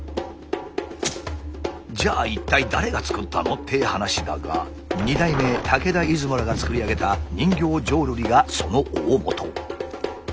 じゃあ一体誰が作ったの？って話だが二代目竹田出雲らが作り上げた人形浄瑠璃がその大本。